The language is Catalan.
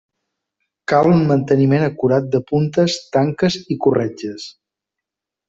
Cal un manteniment acurat de puntes, tanques i corretges.